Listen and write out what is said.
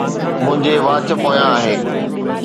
منهنجي واچ پويان آهي